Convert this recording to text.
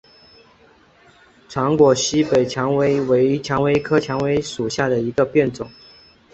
长果西北蔷薇为蔷薇科蔷薇属下的一个变种。